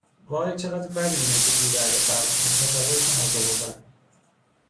وای چقدر بده اینایی که توی دریا غرق میشن! تصورشم عذاب آوره!